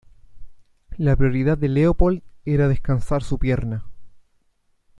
La prioridad de Leopold era descansar su pierna.